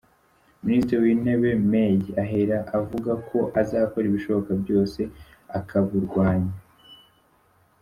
Minisitiri w’Intebe May ahera avuga ko azakora ibishoboka byose akaburwanya.